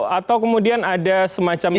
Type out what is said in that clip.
atau kemudian ada semacam